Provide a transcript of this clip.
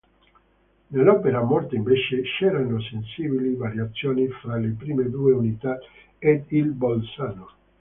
Nell'opera morta invece c'erano sensibili variazioni fra le prime due unità ed il "Bolzano".